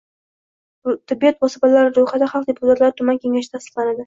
Tibbiyot posbonlari” roʻyxati Xalq deputatlari tuman Kengashida tasdiqlanadi.